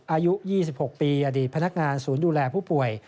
อายุ๒๖ปีอดีตพนักงานศูนย์ดูแลผู้ป่วย